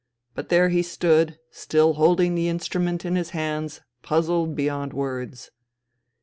But there he stood, still holding the instrument in his hands, puzzled beyond words."